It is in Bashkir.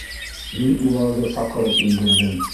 Мин уларҙы саҡырып индерҙем.